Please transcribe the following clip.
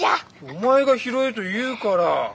お前が拾えと言うから！